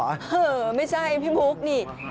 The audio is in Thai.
เฮ่ยไม่ใช่พี่ภูกินี่